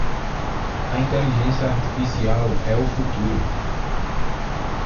A inteligência artificial é o futuro